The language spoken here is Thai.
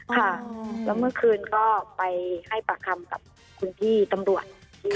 ค่ะแล้วเมื่อคืนก็ไปให้ปากคำกับคุณพี่ตำรวจ